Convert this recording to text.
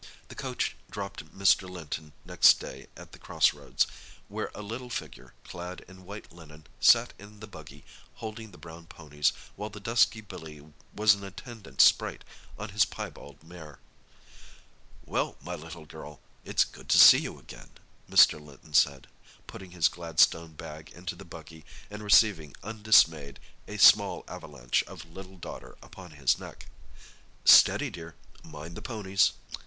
The coach dropped Mr. Linton next day at the Cross Roads, where a little figure, clad in white linen, sat in the buggy, holding the brown ponies, while the dusky Billy was an attendant sprite on his piebald mare. "Well, my little girl, it's good to see you again," Mr. Linton said, putting his Gladstone bag into the buggy and receiving undismayed a small avalanche of little daughter upon his neck. "Steady, dear—mind the ponies."